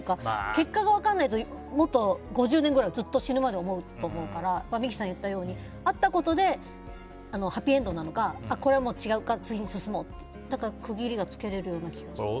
結果が分からないともっと５０年ぐらいずっと死ぬまで思うと思うから三木さんが言ったように会ったことでハッピーエンドなのかこれは違うから次に進もうとかだから区切りがつけられるような気がする。